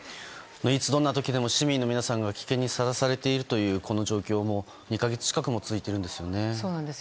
いつどんな時でも市民の皆さんが危険にさらされているというこの状況も２か月近くも続いているんですよね。